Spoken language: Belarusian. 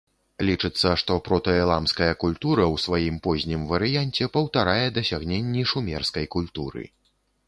Лічыцца, што прота-эламская культура ў сваім познім варыянце паўтарае дасягненні шумерскай культуры.